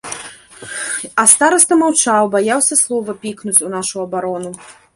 А стараста маўчаў, баяўся слова пікнуць у нашу абарону.